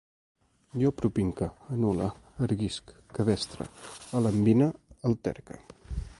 Jo apropinqüe, anul·le, arguïsc, cabestre, alambine, alterque